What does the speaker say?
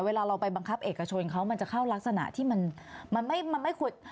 เวลาเราไปบังคับเอกชนเขามันจะเข้ารักษณะที่มันไม่ขุด